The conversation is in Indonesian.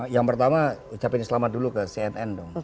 yang pertama ucapin selamat dulu ke cnn dong